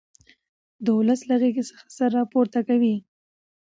د ولس له غېږې څخه سر را پورته کوي.